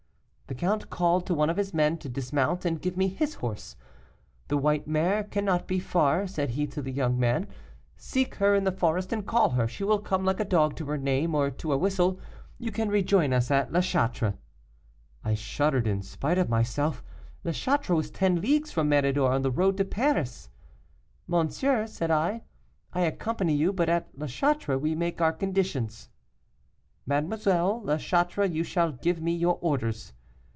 The count called to one of his men to dismount and give me his horse. 'The white mare cannot be far,' said he to the man; 'seek her in the forest and call her, she will come like a dog to her name or to a whistle; you can rejoin us at La Châtre.' I shuddered in spite of myself. La Châtre was ten leagues from Méridor, on the road to Paris. 'Monsieur,' said I, 'I accompany you, but at La Châtre we make our conditions.' 'Mademoiselle, at La Châtre you shall give me your orders.